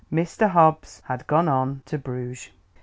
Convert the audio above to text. Mr. Hobbs had gone on to Bruges.